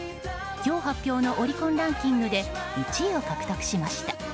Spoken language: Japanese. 今日発表のオリコンランキングで１位を獲得しました。